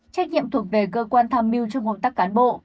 trách nhiệm thuộc về cơ quan tham mưu trong hợp tác cán bộ